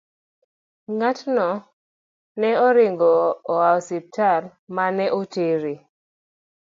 Ng'atno ne oringo oa e osiptal ma ne otere.